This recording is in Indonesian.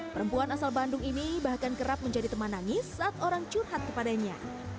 perempuan asal bandung ini bahkan kerap menjadi teman nangis saat orang curhat kepadanya